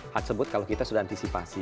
hati sebut kalau kita sudah antisipasi